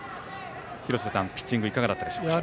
廣瀬さん、ピッチングいかがだったでしょうか？